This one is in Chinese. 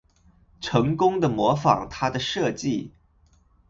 成功的模仿他的设计